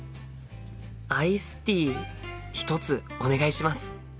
アイスティー１つお願いします。